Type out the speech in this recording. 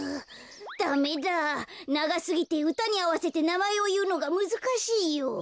ダメだながすぎてうたにあわせてなまえをいうのがむずかしいよ。